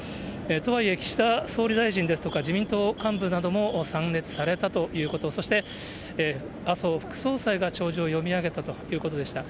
とはいえ、岸田総理大臣ですとか、自民党幹部なども参列されたということ、そして麻生副総裁が弔辞を読み上げたということでした。